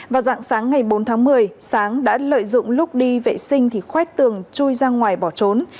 vào dạng sáng ngày bốn tháng một mươi sáng đã lợi dụng lúc đi vệ sinh thì khoét tường chui ra ngoài bỏ trốn